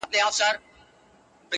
راوړي مزار ته خیام هر سړی خپل خپل حاجت,